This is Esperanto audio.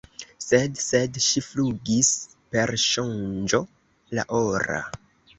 Sed, sed „ŝi flugis per sonĝo la ora!“